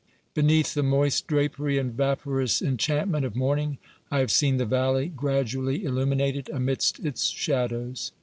Beneath the moist drapery and vaporous enchantment of morning, I have seen the valley gradually illuminated amidst its shadows.